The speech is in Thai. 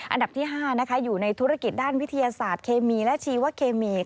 อันดับที่๕อยู่ในธุรกิจด้านวิทยาศาสตร์เคมีและชีวะเคมี